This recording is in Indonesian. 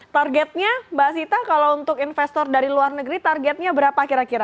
targetnya mbak sita kalau untuk investor dari luar negeri targetnya berapa kira kira